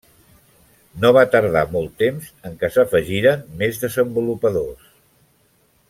No va tardar molt temps en què s'afegiren més desenvolupadors.